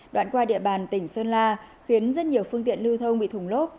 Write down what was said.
đoạn qua địa bàn tỉnh sơn la khiến rất nhiều phương tiện lưu thông bị thủng lốp